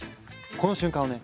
この瞬間をね